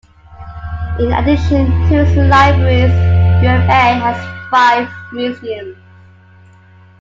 In addition to its libraries, UvA has five museums.